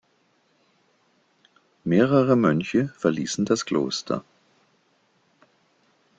Mehrere Mönche verließen das Kloster.